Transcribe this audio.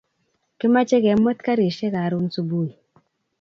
Kimache kemwet karishek karun subui